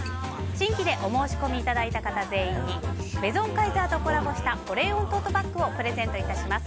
新規でお申し込みいただいた方全員にメゾンカイザーとコラボした保冷温トートバッグをプレゼントいたします。